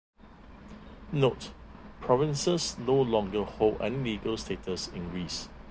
"Note:" Provinces no longer hold any legal status in Greece.